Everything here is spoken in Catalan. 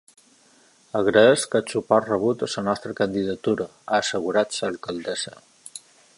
“Agraïsc el suport rebut a la nostra candidatura”, ha assegurat l’alcaldessa.